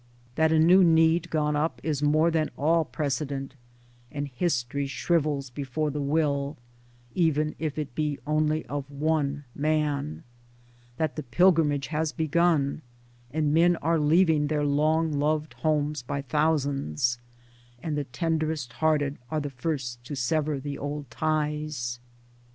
That a new need gone up is more than all precedent, and History shrivels before the will, even if it be only of one man; that the pilgrimage has begun, and men are leaving their long loved homes by thousands — and the tenderest hearted are the first to sever the old ties